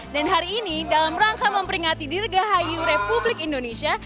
dan hari ini dalam rangka memperingati dirgahayu republik indonesia